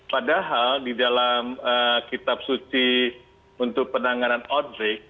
padahal di dalam kitab suci untuk penanganan outbreak